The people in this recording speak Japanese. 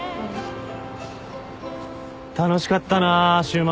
楽しかったな週末。